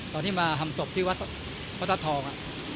ตอนที่มาทำศพที่วัดศัตริย์ทองอ่ะ